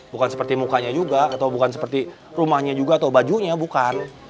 bukan seperti mukanya juga atau bukan seperti rumahnya juga atau bajunya bukan